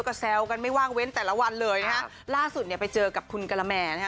ก็แซวกันไม่ว่างเว้นแต่ละวันเลยนะฮะล่าสุดเนี่ยไปเจอกับคุณกะละแมนะฮะ